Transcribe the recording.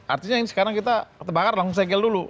artinya ini sekarang kita terbakar langsung segel dulu